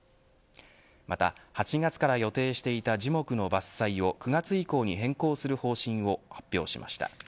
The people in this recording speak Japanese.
また、８月から予定していた樹木の伐採を９月以降に変更する方針を発表しました。